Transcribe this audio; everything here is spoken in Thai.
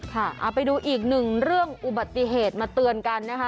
ค่ะเอาไปดูอีกหนึ่งเรื่องอุบัติเหตุมาเตือนกันนะคะ